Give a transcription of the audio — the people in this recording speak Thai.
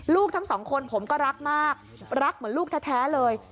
ทั้งสองคนผมก็รักมากรักเหมือนลูกแท้เลย